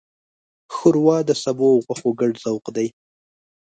ښوروا د سبو او غوښو ګډ ذوق دی.